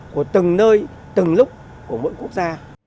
của từng nơi từng lúc của mỗi quốc gia